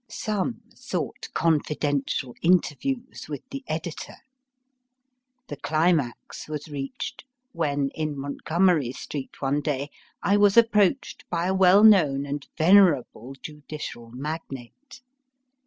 Some sought confidential interviews with the editor. The climax was reached when, in Montgomery Street, one day, I was approached by a well known and venerable judicial magnate.